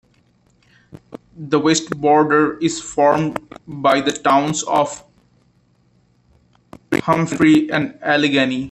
The west border is formed by the towns of Humphrey and Allegany.